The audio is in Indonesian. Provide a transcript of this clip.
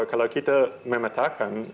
kalau kita memetakan